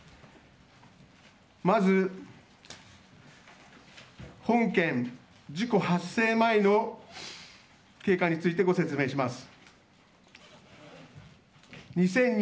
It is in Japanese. まず、本件事故発生前の経過についてご説明します。